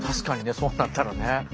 そうなったらね。